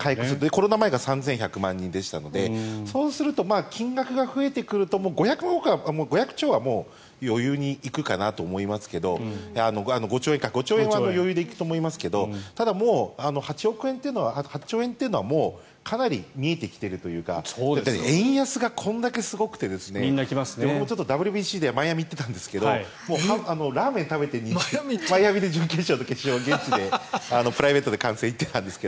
コロナ前が３１００万人でしたのでそうすると金額が増えてくると５兆円は余裕に行くかなと思いますがただ、８兆円というのはかなり見えてきているというか円安がこれだけすごくて僕もＷＢＣでマイアミに行ってたんですがラーメン食べてマイアミで準決勝と決勝、現地でプライベートで観戦に行ってたんですが。